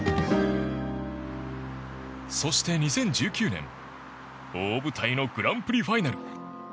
そして、２０１９年大舞台のグランプリファイナル。